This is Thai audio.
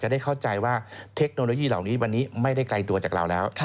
ได้เข้าใจว่าเทคโนโลยีเหล่านี้วันนี้ไม่ได้ไกลตัวจากเราแล้ว